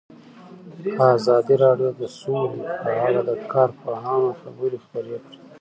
ازادي راډیو د سوله په اړه د کارپوهانو خبرې خپرې کړي.